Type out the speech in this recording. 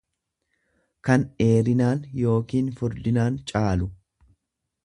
kan dheerinaan yookiin furdinaan caalu.